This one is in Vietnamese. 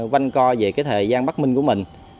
văn co về thời gian bắt minh của mình